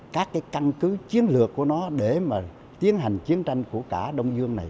các cái căn cứ chiến lược của nó để mà tiến hành chiến tranh của cả đông dương này